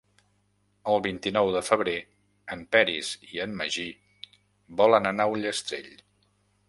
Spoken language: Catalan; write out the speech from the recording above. El vint-i-nou de febrer en Peris i en Magí volen anar a Ullastrell.